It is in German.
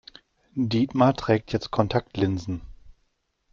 Dietmar trägt jetzt Kontaktlinsen.